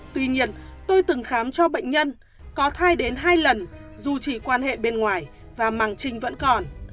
tuy nhiên tôi từng khám cho bệnh nhân có thai đến hai lần dù chỉ quan hệ bên ngoài và màng trình vẫn còn